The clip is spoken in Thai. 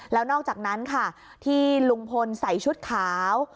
แล้วนอกจากนั้นค่ะที่ลุงพลใส่ชุดขาว